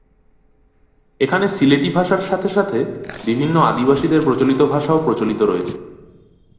এখানে সিলেটি ভাষার সাথে সাথে বিভিন্ন আদিবাসীদের প্রচলিত ভাষাও প্রচলিত রয়েছে।